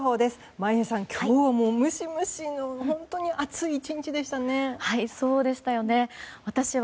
眞家さん、今日はムシムシの本当に暑い１日でしたね。